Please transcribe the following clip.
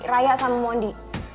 raya sama mondi